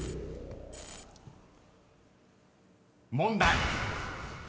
［問題］